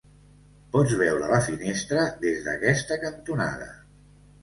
Pots veure la finestra des d'aquesta cantonada.